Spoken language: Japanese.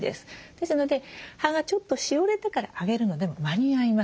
ですので葉がちょっとしおれてからあげるのでも間に合います。